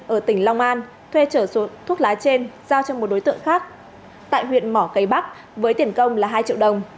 ở tỉnh long an thuê trở thuốc lá trên giao cho một đối tượng khác tại huyện mỏ cây bắc với tiền công là hai triệu đồng